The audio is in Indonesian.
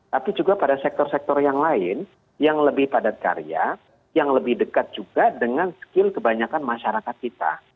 tapi juga pada sektor sektor yang lain yang lebih padat karya yang lebih dekat juga dengan skill kebanyakan masyarakat kita